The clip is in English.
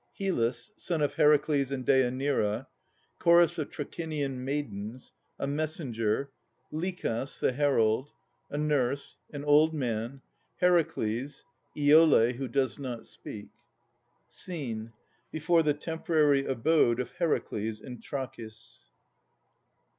HYLLUS, son of Heracles and Dêanira. CHORUS of Trachinian Maidens. A Messenger. LICHAS, the Herald. A Nurse. An Old Man. HERACLES. IOLE, who does not speak. SCENE. Before the temporary abode of Heracles in Trachis.